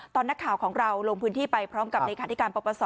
นักข่าวของเราลงพื้นที่ไปพร้อมกับเลขาธิการปปศ